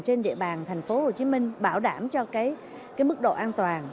trên địa bàn thành phố hồ chí minh bảo đảm cho cái mức độ an toàn